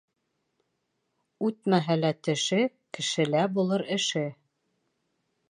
Үтмәһә лә теше, Кешелә булыр эше.